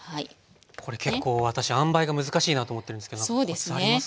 これ結構私あんばいが難しいなと思ってるんですけどコツありますか？